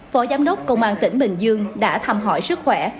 phó giám đốc công an tỉnh bình dương đã thăm hỏi sức khỏe